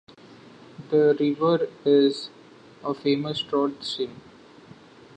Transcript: The river is a famous trout stream.